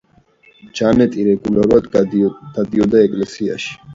ჯანეტი რეგულარულად დადიოდა ეკლესიაში.